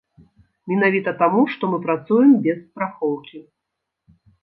Менавіта таму, што мы працуем без страхоўкі.